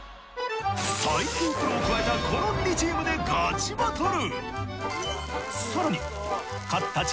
最強プロを加えたこの２チームでガチバトル。